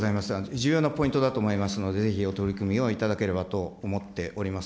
重要なポイントだと思いますので、ぜひお取り組みをいただければと思っております。